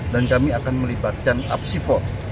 dan kami akan melibatkan apsivo